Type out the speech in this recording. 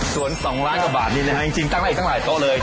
ส่วน๒ล้านกว่าบาทนี้นะฮะจริงตั้งได้อีกตั้งหลายโต๊ะเลย